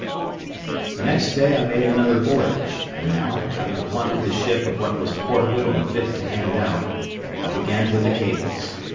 The next day I made another voyage, and now, having plundered the ship of what was portable and fit to hand out, I began with the cables.